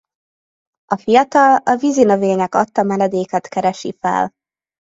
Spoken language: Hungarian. A fiatal a vízinövények adta menedéket keresi fel.